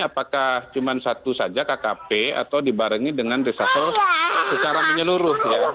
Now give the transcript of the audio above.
apakah cuma satu saja kkp atau dibarengi dengan reshuffle secara menyeluruh ya